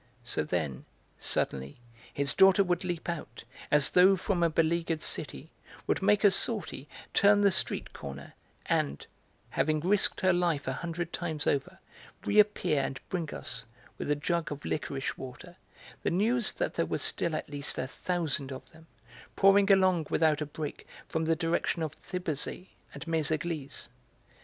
So then, suddenly, his daughter would leap out, as though from a beleaguered city, would make a sortie, turn the street corner, and, having risked her life a hundred times over, reappear and bring us, with a jug of liquorice water, the news that there were still at least a thousand of them, pouring along without a break from the direction of Thiberzy and Méséglise.